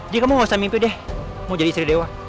jadi kamu gak usah mimpi deh mau jadi istri dewa